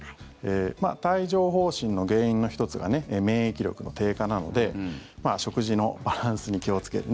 帯状疱疹の原因の１つが免疫力の低下なので食事のバランスに気をつける